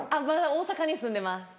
まだ大阪に住んでます。